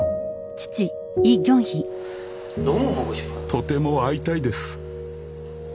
とても会いたいです。